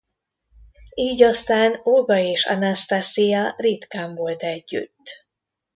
Így aztán Olga és Anasztaszija ritkán volt együtt.